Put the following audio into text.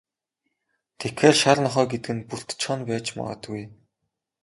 Тэгэхээр, шар нохой гэдэг нь Бөртэ Чоно байж магадгүй.